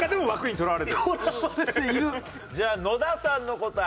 じゃあ野田さんの答え。